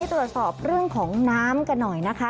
ตรวจสอบเรื่องของน้ำกันหน่อยนะคะ